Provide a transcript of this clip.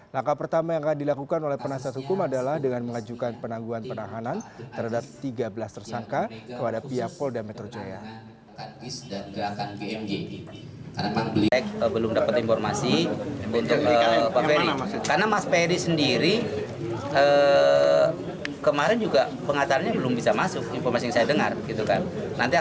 langkah pertama yang akan dilakukan oleh penasihat hukum adalah dengan mengajukan penangguhan penahanan terhadap tiga belas tersangka kepada pia pol dan metro jaya